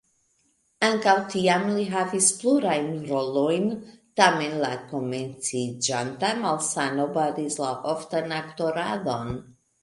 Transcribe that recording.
Ankaŭ tiam li havis plurajn rolojn, tamen la komenciĝanta malsano baris la oftan aktoradon.